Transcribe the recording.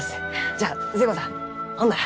じゃあ寿恵子さんほんなら。